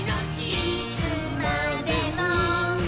いつまでも。